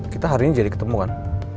kita hari ini jadi ketemuan